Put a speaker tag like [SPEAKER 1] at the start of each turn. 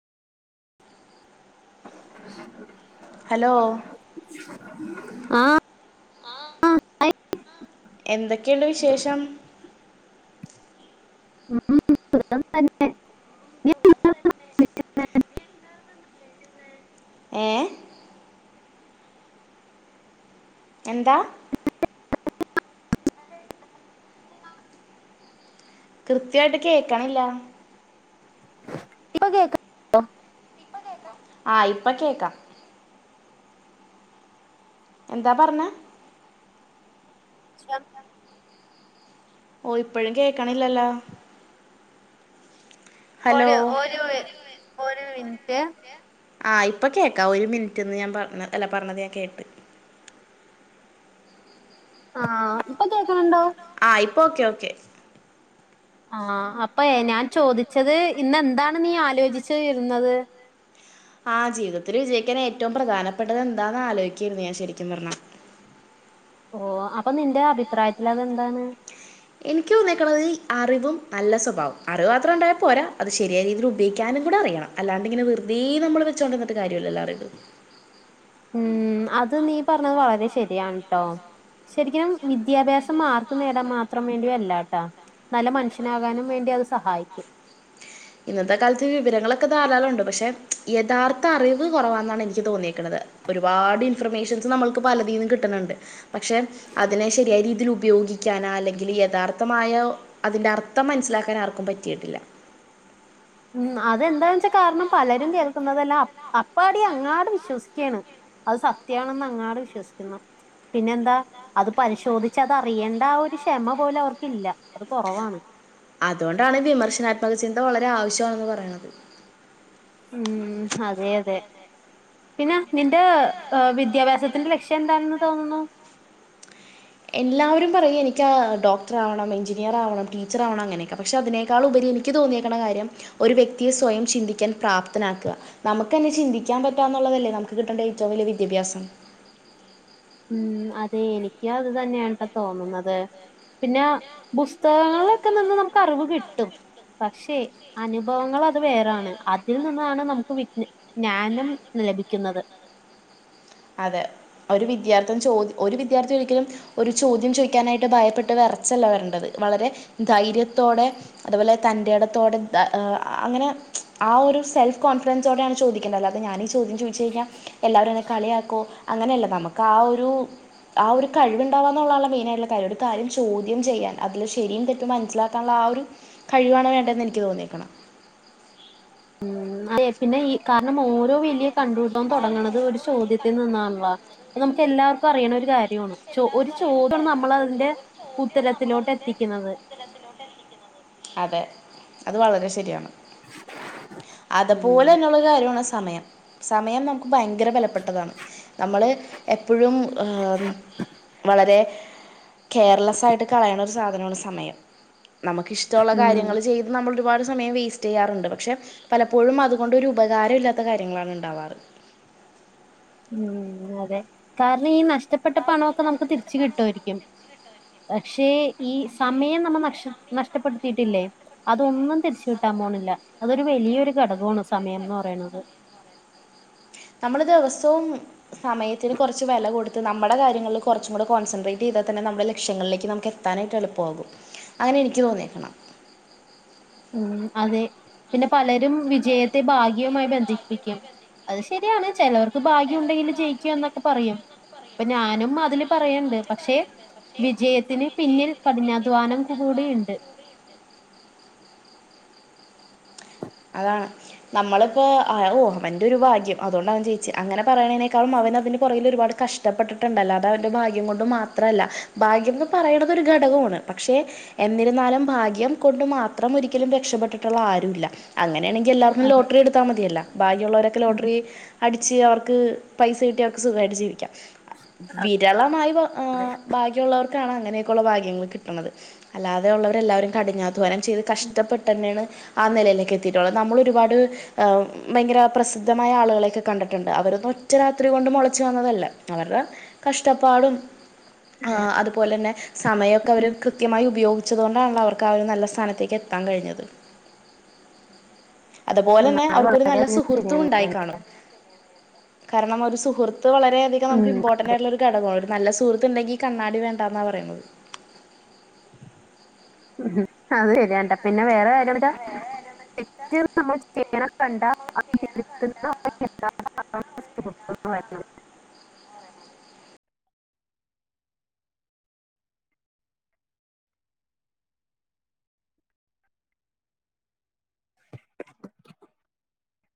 [SPEAKER 1] [unintelligible]
[SPEAKER 2] hello
[SPEAKER 1] ആ ആ
[SPEAKER 2] എന്തൊക്കെയുണ്ട് വിശേഷം
[SPEAKER 1] ഉം സുഖംതന്നെ
[SPEAKER 2] ഏ എന്താ കൃത്യായിട്ട് കേക്കണില്ല
[SPEAKER 1] ഇപ്പൊ കേക്ക
[SPEAKER 2] ആ ഇപ്പം കേക്കാം എന്താ പറഞ്ഞേ ഓ ഇപ്പഴും കേക്കണില്ലല്ലോ
[SPEAKER 1] ഒരു ഒരു ഒരു മിനിറ്റ്
[SPEAKER 2] ആ ഇപ്പം കേക്കാം ഒരു മിനിറ്റ്ന്ന് ഞാൻ പറഞ്ഞ അല്ല പറഞ്ഞത് ഞാൻ കേട്ട്
[SPEAKER 1] ആ ഇപ്പൊ കേക്കണുണ്ടോ
[SPEAKER 2] ആ ഇപ്പൊ ഓക്കെ ഓക്കെ
[SPEAKER 1] ആ അപ്പൊയെ ഞാൻ ചോദിച്ചത് ഇന്നെന്താണ് നീ ആലോചിച്ചു വരുന്നത്
[SPEAKER 2] ആ ജീവിതത്തിൽ വിജയിക്കാൻ ഏറ്റവും പ്രധാനപ്പെട്ടത് എന്താന്ന് ആലോചിക്കാരുന്നു ഞാൻ ശരിക്കും പറഞ്ഞ
[SPEAKER 1] ഓ അപ്പൊ നിന്റെ അഭിപ്രായത്തിൽ അതെന്താണ്
[SPEAKER 2] എനിക്ക് തോന്നിയേക്കണത് അറിവും നല്ല സ്വഭാവവും അറിവ് മാത്രം ഉണ്ടായാൽ പോരാ അത് ശരിയായ രീതിയിൽ ഉപയോഗിക്കാനും കൂടെ അറിയണം അല്ലാണ്ട് ഇങ്ങനെ വെറുതെ നമ്മൾ വെച്ചോണ്ടിരുന്നിട്ട് കാര്യമില്ലലോ അറിവ്
[SPEAKER 1] ഉം അത് നീ പറഞ്ഞത് വളരെ ശരിയാണുട്ടോ ശരിക്കനും വിദ്യാഭ്യാസം മാർക്ക് നേടാൻ മാത്രം വേണ്ടി അല്ലാട്ടാ നല്ല മനുഷ്യനാകാനും വേണ്ടി അത് സഹായിക്കും
[SPEAKER 2] ഇന്നത്തെ കാലത്ത് വിവരങ്ങളൊക്കെ ധാരാളവൊണ്ട് പക്ഷെ യഥാർത്ഥ അറിവ് കൊറവാന്നാണ് എനിക്ക് തോന്നിയേക്കണത് ഒരുപാട് ഇൻഫർമേഷൻസ് നമ്മൾക്ക് പലതിന്ന് കിട്ടുന്നുണ്ട് പക്ഷെ അതിനെ ശരിയായ രീതിയില് ഉപയോഗി ഗിക്കാന അല്ലെങ്കില് യഥാർത്ഥമായ ഒ അതിന്റെ അർത്ഥം മനസിലാക്കാൻ ആർക്കും പറ്റിയിട്ടില്ല
[SPEAKER 1] ഉം അതെന്താന്ന് വെച്ചാ കാരണം പലരും കേൾക്കുന്നതെല്ലാം അപ് അപ്പാടി അങ്ങാട് വിശ്വസിക്കുകയാണ് അത് സത്യവാണെന്ന് അങ്ങാട് വിശ്വസിക്കുന്നു പിന്നെന്താ അത് പരിശോധിച്ച് അതറിയണ്ട ആ ഒരു ക്ഷമ പോലും അവർക്കില്ല അത് കൊറവാണ്
[SPEAKER 2] അതുകൊണ്ടാണ് വിമർശനാത്മക ചിന്ത വളരെ ആവശ്യണെന്ന് പറയണത്
[SPEAKER 1] ഉം അതെ അതെ പിന്നെ നിന്റെ വിദ്യാഭ്യാസത്തിന്റെ ലക്ഷ്യം എന്താണെന്ന് തോന്നുന്നു
[SPEAKER 2] എല്ലാവരും പറയും എനിക്ക് ഡോക്ടറാവണം എഞ്ചിനീയർ ആവണം ടീച്ചറാവണം അങ്ങനെയൊക്കെ പക്ഷെ അതിനേക്കാൾ ഉപരി എനിക്ക് തോന്നിയേക്കണ കാര്യം ഒരു വ്യക്തിയെ സ്വയം ചിന്തിക്കാൻ പ്രാപ്തനാക്കുക നമുക്ക് തന്നെ ചിന്തിക്കാൻ പറ്റാ എന്നുള്ളതല്ലേ നമുക്ക് കിട്ടണ്ട ഏറ്റവും വലിയ വിദ്യാഭ്യാസം
[SPEAKER 1] ഉം അതെ എനിക്ക് അത് തന്നെയാണുട്ടോ തോന്നുന്നത് പിന്നെ പുസ്തകങ്ങളിലൊക്കെ നിന്ന് നമുക്ക് അറിവ് കിട്ടും പക്ഷെ അനുഭവങ്ങൾ അത് വേറാണ് അതിൽ നിന്നാണ് നമുക്ക് വി ജ്ഞാനം ലഭിക്കുന്നത്
[SPEAKER 2] [unintelligible] അതെ ഒരു വിദ്യാർത്ഥി ചോ ഒരു വിദ്യാർഥി ഒരിക്കലും ഒരു ചോദ്യം ചോദിക്കാനായിട്ട് ഭയപ്പെട്ട് വിറച്ചല്ല വരണ്ടത് വളരെ ധൈര്യത്തോടെ അതുപോലെ തൻ്റെടത്തോടെ അങ്ങനെ ആ ഒരു സെൽഫ് കോൺഫിഡ ൻസോഡാണ് ചോദിക്കണ്ടത് അല്ലാത ഞാനീ ചോദ്യം ചോദിച്ചു കഴിഞ്ഞ എല്ലവരും എന്നെ കളിയാക്ക അങ്ങനെയല്ല നമുക്ക് ആ ഒരു ആ ഒരു കഴിവുണ്ടവാന്നുള്ളതാണ് മെയിന ആയിട്ടുള്ള കാര്യ ഒരു കാര്യം ചോദ്യം ചെയ്യാൻ അതില് ശരിയും തെറ്റും മനസ്സിലാക്കാനുള്ള ആ ഒരു കഴിവ് ആണ് വേണ്ടത് എനിക്ക് തോന്നിയെക്കണ്
[SPEAKER 1] ഉം അ പിന്നെ ഈ കാരണം ഓരോ വലിയ കണ്ടുകൂട്ടം തൊടങ്ങണത് ഒരു ചോദ്യത്തിൽ നിന്നാണല്ലോ അ നമുക്ക് എല്ലാവർക്കും അറിയണ ഒരു കാര്യമാണ് ചോ ഒരു ചോദ്യമാണ് നമ്മൾ അതിന്റെ ഉത്തരത്തിലോട്ട് എത്തിക്കുന്നത്
[SPEAKER 2] അതെ അത് വളരെ ശരിയാണ്
[SPEAKER 1] ഉം
[SPEAKER 2] അതപോലെ ന്നു ള്ള കാര്യമാണ് സമയം സമയം നമുക്ക് ഭയങ്കര ബലപ്പെട്ടതാണ് നമ്മള് എപ്പോഴും വളരെ കെയർലൊയിട്ട് കളയണ ഒരു സാധനമാണ് സമയം നമുക്ക് ഇഷ്ടമുള്ള
[SPEAKER 1] ഉം
[SPEAKER 2] കാര്യങ്ങൾ ചെയ്ത് നമ്മൾ ഒരുപാട് സമയം വേസ്റ്റ് ചെയ്യാറുണ്ട് പക്ഷെ പലപ്പോഴും അതുകൊണ്ട്രു ഉപകാരം ഇല്ലാത്ത കാര്യങ്ങളാണ് ഉണ്ടാവാറ് [unintelligible]
[SPEAKER 1] ഉം അതെ കാരണം ഈ നഷ്ടപ്പെട്ട പണൊക്കെ നമുക്ക് തിരിച്ച് കിട്ടുവുമായിരിക്കും പക്ഷേ ഈ സമയം നമ്മ ന നഷ്ടപ്പെടുത്തിയിട്ടില്ലേ അതൊന്നും തിരിച്ചു കിട്ടാമോ അതൊരു വലിയൊ ഒരു ഘടകമാണ് സമയംന്ന് പറയണത്
[SPEAKER 2] നമ്മളത് ദിവസം സമയത്തിന് കുറച്ച് വില കൊടുത്ത് നമ്മുടെ കാര്യങ്ങളിൽ കുറച്ചും കൂടെ കോൺസെട്രേറ്റ് ചെയ്താൽ തന്നെ നമ്മുടെ ലക്ഷങ്ങളിലേക്ക്നമ്മ നമുക്ക് എത്താനായിട്ട് എളുപ്പമാകും അങ്ങനെ എനിക്ക് തോന്നക്കണം
[SPEAKER 1] ഉം അതെ പിന്നെ പലരും വിജയത്തെ ഭാഗ്യവുമായി ബന്ധിപ്പിക്കും അത് ശരിയാണ് ചിലവർക്ക് ഭാഗ്യം ഉണ്ടെങ്കില് ജയിക്കുവ എന്നൊക്കെ പറയും ഇപ്പൊ ഞാനും അതില് പറയണ്ട് പക്ഷേ വിജയത്തിന് പിന്നില് കഠിനാധ്വാനം കൂടെയുണ്ട്
[SPEAKER 2] [unintelligible] അതാണ് നമ്മളിപ്പ ഓ അവന്റെ ഒരു ഭാഗ്യം അതുകൊണ്ട അവൻ ജയിച്ച അങ്ങനെ പറയണതിനേക്കാളും അവ അതിന് പുറെകിൽ ഒരുപാട് കഷ്ടപ്പെട്ടിട്ടുണ്ട് അ ല്ലാതെ അവന്റെ ഭാഗ്യാം കൊണ്ട് മാത്രല്ല ഭാഗ്യം എന്ന്പറയുന്നത് ഒരു ഘ ടകം പക്ഷെ എന്നിരുന്നാലും ഭാഗ്യം കൊണ്ട് മാത്രം ഒരിക്കലും രക്ഷപ്പെെട്ടിട്ടുള്ള ആരുല്ല അങ്ങനെയാണെങ്കിൽ എല്ലാവരും
[SPEAKER 1] അതെ
[SPEAKER 2] ലോട്ടറി എടുത്താൽ മതിയല്ലോ ഭാഗ്യം മു ള്ളവരൊക്കെ ലോട്ടറി അടിച്ച് അവർക്ക് പൈസ കിട്ടി അവർക്ക് സുഖമായിട്ട് വിരളമായി ബാാക്കിയുള്ളവർ ാണ് അങ്ങനെയൊക്കെ ഉള്ള ഭാഗ്യ ങ്ങൾ കിട്ടണത് അല്ലാതെയുള്ളവരെല്ലാവരും കഠിനാധ്വാനം ചെയ്ത് കഷ്ടപ്പെട്ട് തന്നെയാണ് ആ നിലയിലേക്ക് എ നമ്മൾ ഒരുപാട്് ഭയങ്കര പ്രസിദ്ധമായ ആളുകളെയൊക്കെ കണ്ടിട്ടുണ്ട് അവരൊന്ന ഒറ്റ രാത്രി കൊണ്ട് മുളച്ച്ു വന്നതല്ല അവരുടെ കഷ്ടപ്പാടും അതുപോലെ തന്നെ സമയമൊക്കെ അവര് കൃത്യമായി ഉപയോഗിച്ച ഉച്ചതുകൊണ്ടാണല്ലോ അവര്ക്ക് അവര് നല്ല സ്ഥാനത്തേക്ക് എത്താൻ കഴിഞ്ഞത് അതുപോലെ
[SPEAKER 1] ഉം,
[SPEAKER 2] തന്നെ
[SPEAKER 1] അത്
[SPEAKER 2] അവർക്കൊരു നല്ല
[SPEAKER 1] വളരെയധികം
[SPEAKER 2] സുഹൃത്തും
[SPEAKER 1] ശരിയാണ് ഞാൻ
[SPEAKER 2] ഉണ്ടായിക്കാണും കാരണം ഒരു സുഹൃത്ത് വളരെയധികം നമു
[SPEAKER 1] ഉം
[SPEAKER 2] ഇമ്പോർട്ടന്റ ആയിട്ടുള്ള ഒരു ഘടകമാണ് ഒരു നല്ല സുഹൃത്തുണ്ടെങ്കി കണ്ണാടി വേണ്ടന്നാ പറയുന്നത്
[SPEAKER 1] ഉ അത് ശരിയണ്ടാ പിന്നെ വേറെ കാര്യം എന്താ തെറ്റ് നമ്മൾ ചെയണം കണ്ട അ തിരുത്തുന്ന എന്ത [unintelligible] [unintelligible]
[SPEAKER 2] [unintelligible]